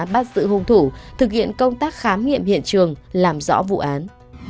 bắt sự hôn thủ thực hiện công tác khám nghiệm hiện trường làm rõ vụ án